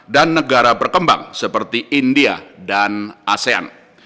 dan negara berkembang seperti india dan asean